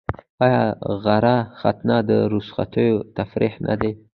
آیا غره ختنه د رخصتیو تفریح نه ده؟